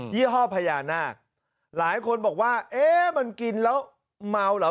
ี่ห้อพญานาคหลายคนบอกว่าเอ๊ะมันกินแล้วเมาเหรอ